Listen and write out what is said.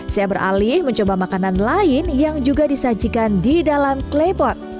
saya beralih mencoba makanan lain yang juga disajikan di dalam klepot